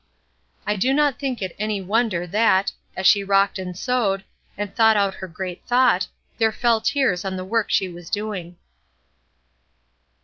I do not think it any wonder that, as she rocked and sewed, and thought out her great thought, there fell tears on the work she was doing.